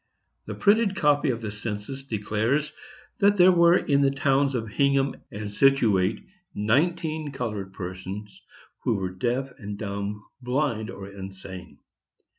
"The printed copy of the census declares that there were in the towns of Hingham and Scituate nineteen colored persons who were deaf and dumb, blind, or insane.